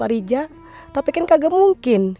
andin cepetan sehat dong din